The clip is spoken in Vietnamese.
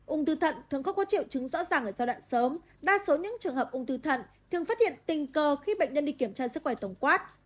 ung thư thận thường không có triệu chứng rõ ràng ở giai đoạn sớm đa số những trường hợp ung thư thận thường phát hiện tình cờ khi bệnh nhân đi kiểm tra sức khỏe tổng quát